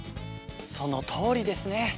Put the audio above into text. そのとおりですね！